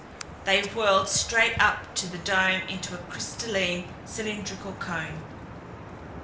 They whirled straight up to the dome in a crystalline, cylindrical cone.